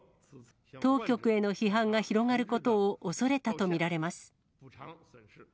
当局への批判が広がることを恐れたと見られます。